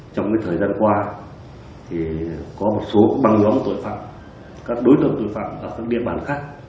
trong thời gian qua có một số băng nhóm tội phạm các đối tượng tội phạm ở các địa bàn khác